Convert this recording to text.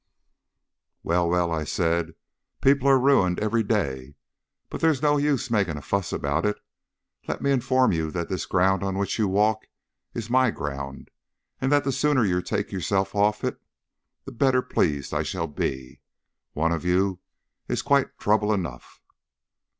"Well, well," I said. "People are ruined every day, but there's no use making a fuss about it. Let me inform you that this ground on which you walk is my ground, and that the sooner you take yourself off it the better pleased I shall be. One of you is quite trouble enough."